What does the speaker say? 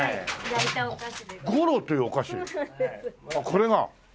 これが。